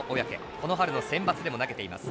この春のセンバツでも投げています。